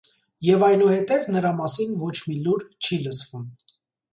Եվ այնուհետև նրա մասին ոչ մի լուր չի լսվում։